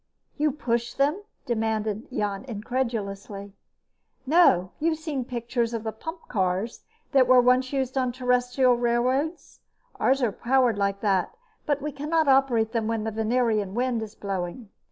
"You push them?" demanded Jan incredulously. "No. You've seen pictures of the pump cars that once were used on terrestrial railroads? Ours are powered like that, but we cannot operate them when the Venerian wind is blowing.